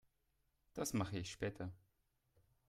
Das mache ich später.